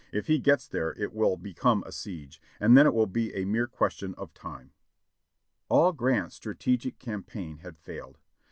If he gets there it will become a siege, and then it will be a mere question of time.' " All Grant's strategic campaign had failed.